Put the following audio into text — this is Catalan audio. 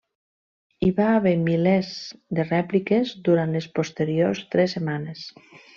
Hi va haver milers de rèpliques durant les posteriors tres setmanes.